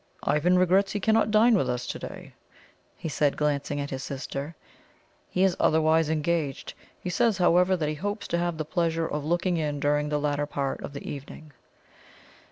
"Ivan regrets he cannot dine with us to day," he said, glancing at his sister; "he is otherwise engaged. He says, however, that he hopes to have the pleasure of looking in during the latter part of the evening."